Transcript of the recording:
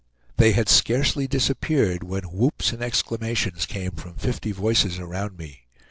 They had scarcely disappeared when whoops and exclamations came from fifty voices around me.